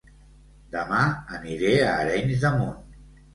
Dema aniré a Arenys de Munt